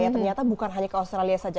ternyata bukan hanya ke australia saja